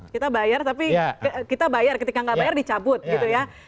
kita bayar tapi kita bayar ketika nggak bayar dicabut gitu ya